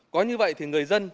có như vậy thì người dân